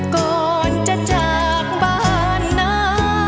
ก่อนจะจากบ้านนะ